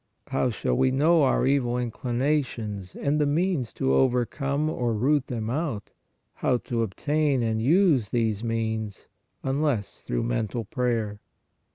How shall we know our evil inclinations and the means to over come or root them out, how to obtain and use these means, unless through mental prayer?